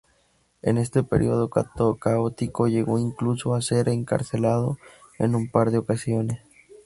En este período caótico llegó incluso a ser encarcelado en un par de ocasiones.